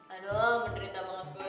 aduh menderita banget gue